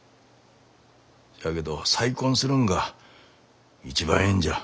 しゃあけど再婚するんが一番ええんじゃ。